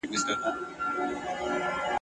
له لېوه خلاص سې قصاب دي بیايي !.